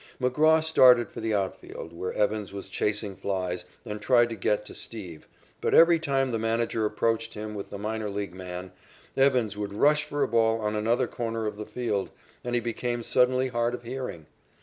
McGraw started for the outfield where Evans was chasing flies and tried to get to "Steve," but every time the manager approached him with the minor league man, Evans would rush for a ball on another corner of the field, and he became suddenly hard of hearing.